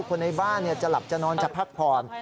คนในบ้านจะหลับจะนอนจะพักผ่อน